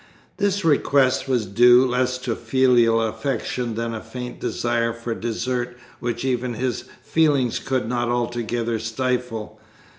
This request was due, less to filial affection than a faint desire for dessert, which even his feelings could not altogether stifle.